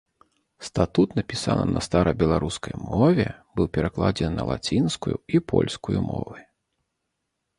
Статут напісаны на старабеларускай мове, быў перакладзены на лацінскую і польскую мовы.